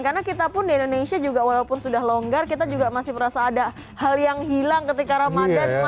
karena kita pun di indonesia juga walaupun sudah longgar kita juga masih merasa ada hal yang hilang ketika ramadan